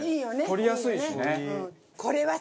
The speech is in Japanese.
取りやすいしね。